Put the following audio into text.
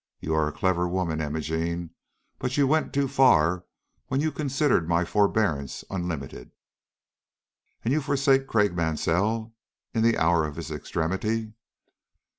You are a clever woman, Imogene, but you went too far when you considered my forbearance unlimited." "And you forsake Craik Mansell, in the hour of his extremity?"